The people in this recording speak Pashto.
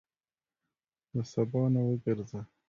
له سبا نه وګرځه.